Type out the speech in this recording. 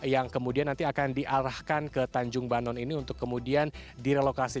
yang kemudian nanti akan diarahkan ke tanjung banon ini untuk kemudian direlokasi